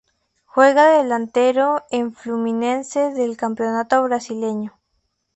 Juega de delantero en Fluminense del Campeonato Brasileño.